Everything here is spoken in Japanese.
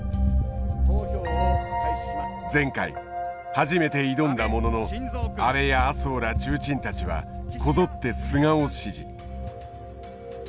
前回初めて挑んだものの安倍や麻生ら重鎮たちはこぞって菅を支持。